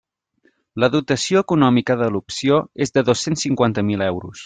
La dotació econòmica de l'opció és de dos-cents cinquanta mil euros.